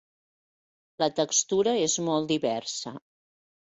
La textura és molt diversa.